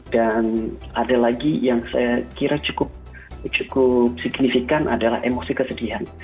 dan ada lagi yang saya kira cukup signifikan adalah emosi kesedihan